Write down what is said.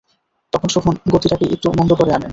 তখন শোভন গতিটাকে একটু মন্দ করে আনে।